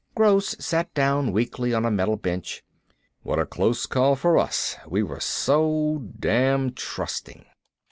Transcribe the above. Gross sat down weakly on a metal bench. "What a close call for us. We were so damn trusting."